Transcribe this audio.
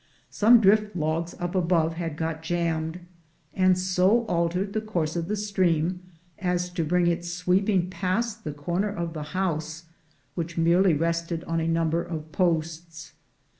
Some drift logs up above had got jammed, and so altered the course of the stream as to bring it sweep ing past the corner of the house, which merely rested on a' number of posts.